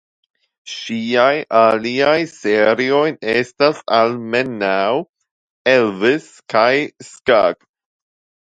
Ŝiaj aliaj serioj estas almenaŭ "Elvis" kaj "Skugg".